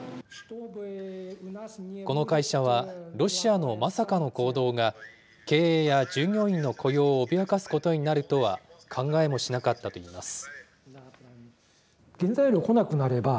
この会社は、ロシアのまさかの行動が、経営や従業員の雇用を脅かすことになるとは、考えもしなかったといいます。